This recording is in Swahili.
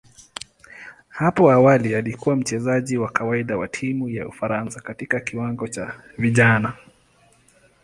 Hapo awali alikuwa mchezaji wa kawaida wa timu ya Ufaransa katika kiwango cha vijana.